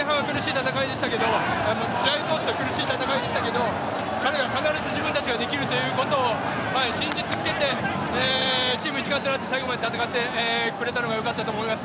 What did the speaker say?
前半、苦しい戦いでしたけど必ず自分たちができるということを信じ続けてチーム一丸となって最後まで戦ってくれたのが良かったと思います。